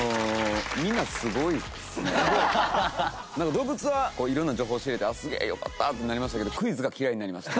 動物は色んな情報知れて「すげえ！よかった！」ってなりましたけどクイズが嫌いになりました。